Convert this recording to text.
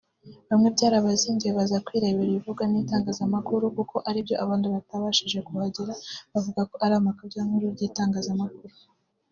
Bamwe byarabazinduye baza kwirebera ibivugwa n’itangazamakuru koko aribyo abandi batabashije kuhagera bakavuga ko ari ikabyankuru ry’itangazamakuru